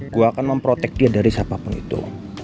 gue akan memprotek dia dari siapapun itu